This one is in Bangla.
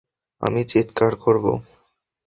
আমি চিৎকার করব।